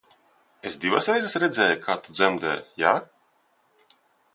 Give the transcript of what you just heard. Es divas reizes redzēju, kā tu dzemdē, ja?